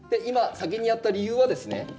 今先にやった理由はですね